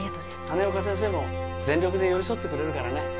羽根岡先生も全力で寄り添ってくれるからね